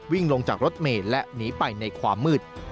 วิ่งลงจากรถเมย์และหนีไปในความมืด